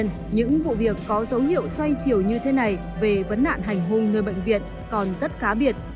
những hiệu xoay chiều như thế này về vấn nạn hành hung nơi bệnh viện còn rất khá biệt